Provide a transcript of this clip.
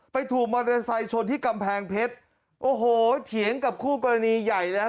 ถูกมอเตอร์ไซค์ชนที่กำแพงเพชรโอ้โหเถียงกับคู่กรณีใหญ่แล้ว